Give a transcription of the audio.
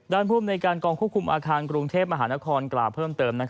ภูมิในการกองควบคุมอาคารกรุงเทพมหานครกล่าวเพิ่มเติม